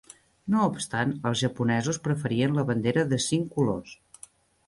No obstant, els japonesos preferien la bandera de cinc colors.